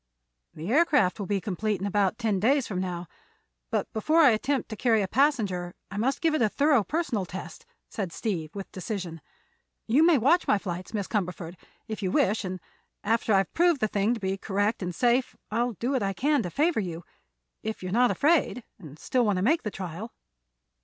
"The aircraft will be complete in about ten days from now; but before I attempt to carry a passenger I must give it a thorough personal test," said Steve, with decision. "You may watch my flights, Miss Cumberford, if you wish, and after I've proved the thing to be correct and safe I'll do what I can to favor you—if you're not afraid, and still want to make the trial."